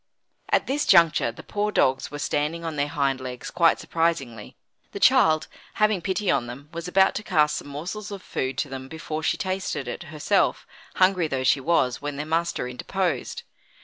At this juncture the poor dogs were standing on their hind legs quite surprisingly; the child, having pity on them, was about to cast some morsels of food to them before she tasted it herself, hungry though she was, when their master interposed.